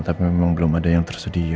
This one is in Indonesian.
tapi memang belum ada yang tersedia